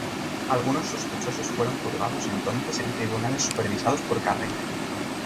Algunos sospechosos fueron juzgados entonces en tribunales supervisados por Carreira.